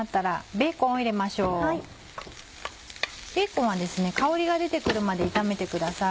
ベーコンは香りが出て来るまで炒めてください。